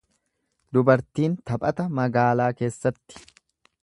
Dubartiin taphata magaalaa keessatti.